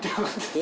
え？